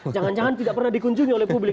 jangan jangan tidak pernah dikunjungi oleh publik